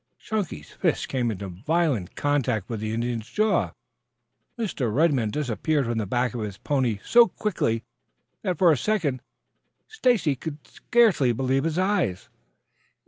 Chunky's fist came into violent contact with the Indian's jaw. Mr. Redman disappeared from the back of his pony so quickly that, for a second, Stacy could scarcely believe his eyes.